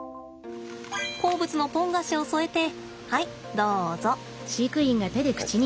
好物のポン菓子を添えてはいどうぞ。